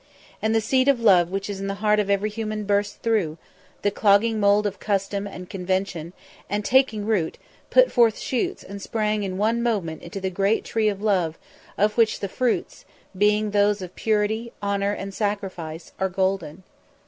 And the seed of love which is in the heart of every human burst through, the clogging mould of custom and convention and, taking root, put forth shoots and sprang in one moment into the great tree of love of which the fruits, being those of purity, honour and sacrifice, are golden.